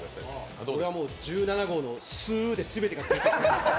俺はもう１７号のスーで全てが消えていった。